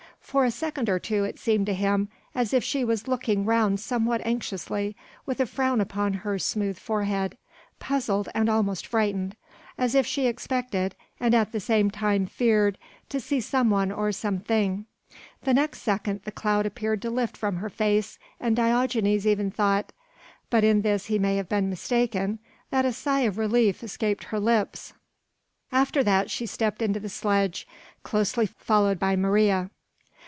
For a second or two it seemed to him as if she was looking round somewhat anxiously, with a frown upon her smooth forehead puzzled and almost frightened as if she expected and at the same time feared to see some one or something. The next second the cloud appeared to lift from her face and Diogenes even thought but in this he may have been mistaken that a sigh of relief escaped her lips. After that she stepped into the sledge, closely followed by Maria.